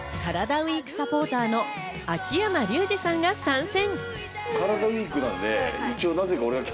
ＷＥＥＫサポーターの秋山竜次さんが参戦。